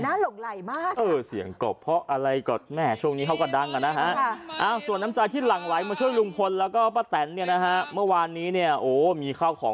หน้าเหล่าไหลมากเสียงกรบเพราะอะไรก็แม่ช่วงนี้เขาก็ดังแล้วนะฮะอ้าวส่วนน้ำจาที่หลั่นไหวมาช่วยลุงพลลาก่อประแตรเนี่ยนะฮะเมื่อวานนี้เนี่ยโอ้มีข้าวของ